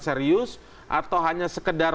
serius atau hanya sekedar